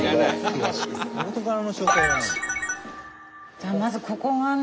じゃあまずここがね